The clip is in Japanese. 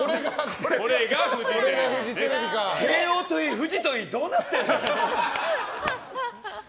慶應といい、フジといいどうなってるの？